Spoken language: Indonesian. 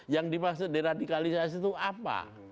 yang di pasal deradikalisasi itu apa